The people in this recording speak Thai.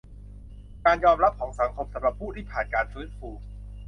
การยอมรับของสังคมสำหรับผู้ที่ผ่านการฟื้นฟู